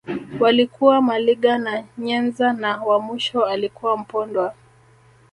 Walikuwa Maliga na Nyenza na wa mwisho alikuwa Mpondwa